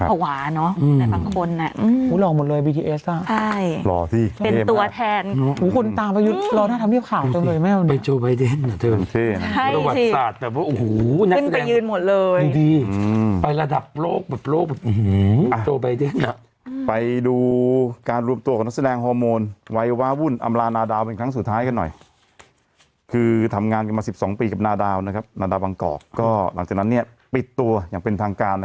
พอไม่เจอแกก็กลับเข้ามาบนฝั่งแกก็ให้สัมภาษณ์